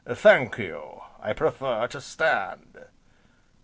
"Thank you, I prefer to stand."